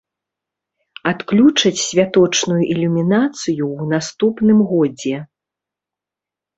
Адключаць святочную ілюмінацыю ў наступным годзе.